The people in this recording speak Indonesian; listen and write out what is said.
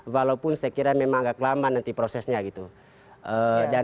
walaupun saya kira memang agak lama nanti prosesnya gitu